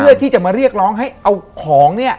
เพื่อที่จะมาเรียกร้องให้เอาของเนี่ย